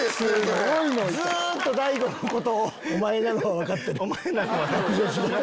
ずっと大悟のことを「お前なのは分かってる」。